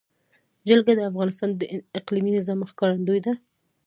جلګه د افغانستان د اقلیمي نظام ښکارندوی ده.